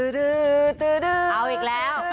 เอาอีกแล้ว